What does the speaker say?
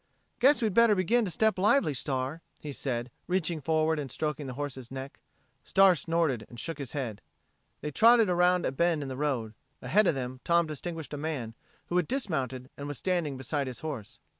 "Guess we'd better begin to step lively, Star," he said, reaching forward and stroking the horse's neck. Star snorted and shook his head. They trotted around a bend in the road. Ahead of them Tom distinguished a man who had dismounted and was standing beside his horse.